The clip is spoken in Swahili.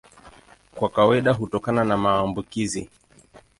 Kwa kawaida hutokana na maambukizi.